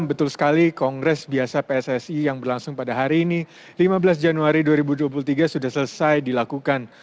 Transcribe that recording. betul sekali kongres biasa pssi yang berlangsung pada hari ini lima belas januari dua ribu dua puluh tiga sudah selesai dilakukan